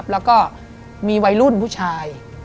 แล้วก็มีวัยรุ่นผู้ชาย